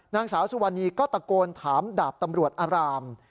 นางสาวสุวรรณีก็ตะโกนถามดาบตำรวจอาราม